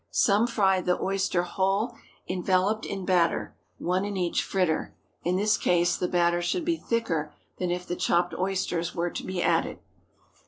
Some fry the oyster whole, enveloped in batter, one in each fritter. In this case, the batter should be thicker than if the chopped oysters were to be added.